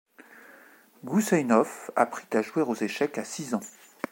Gousseinov apprit à jouer aux échecs à six ans.